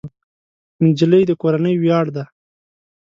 نجلۍ د کورنۍ ویاړ ده.